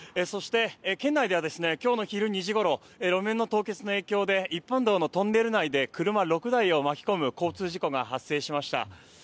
そして、県内では今日の昼２時ごろ路面の凍結の影響で一般道のトンネル内で車６台を巻き込む交通事故が発生しました。